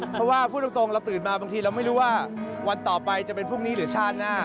เพราะว่าพูดตรงเราตื่นมาบางทีเราไม่รู้ว่าวันต่อไปจะเป็นพรุ่งนี้หรือชาติหน้า